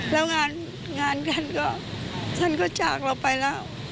แล้วงานท่านก็จากเราไปแล้ว